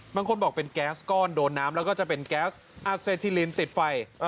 บางคนบอกเป็นแก๊สก้อนโดนน้ำแล้วก็จะเป็นแก๊สอาเซทิลินติดไฟ